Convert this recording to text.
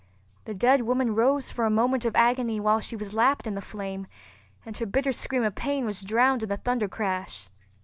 The dead woman rose for a moment of agony while she was lapped in the flame, and her bitter scream of pain was drowned in the thundercrash.